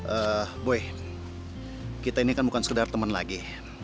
eh boy kita ini kan bukan sekedar teman lagi